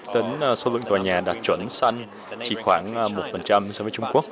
tính số lượng tòa nhà đạt chuẩn xanh chỉ khoảng một so với trung quốc